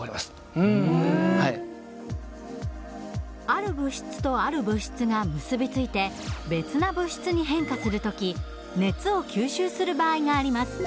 ある物質とある物質が結び付いて別な物質に変化する時熱を吸収する場合があります。